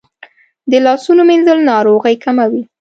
د لاسونو مینځل ناروغۍ کموي.